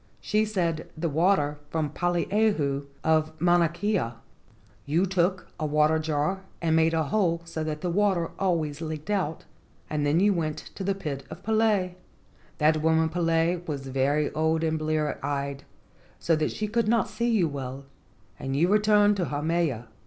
She said, 'The water from Poliahu of Mauna Kea.' You took a water jar and made a hole so that the water always leaked out, and then you went to the pit of Pele. That woman Pele was very old and blear eyed, so that she could not see you well, and you returned to Haumea.